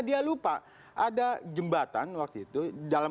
dia lupa ada jembatan waktu itu